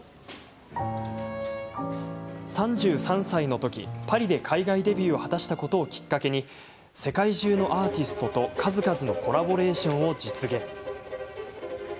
３３歳のときパリで海外デビューを果たしたことをきっかけに世界中のアーティストと数々のコラボレーションを実現。